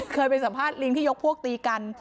เคยไปสัมภาษณ์ลิงที่ยกพวกตีกัน